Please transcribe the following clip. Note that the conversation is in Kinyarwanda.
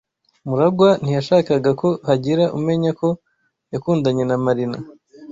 MuragwA ntiyashakaga ko hagira umenya ko yakundanye na Marina.